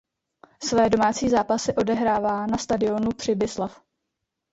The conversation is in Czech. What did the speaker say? Své domácí zápasy odehrává na stadionu Přibyslav.